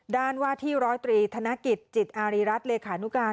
ด่านวาที่๑๐๓ธนกิจจิตอาริรัติเลขานุการณ์